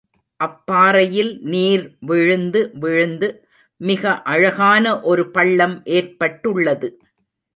அப்பாறையில் நீர் விழுந்து விழுந்து மிக அழகான ஒரு பள்ளம் ஏற்பட்டுள்ளது.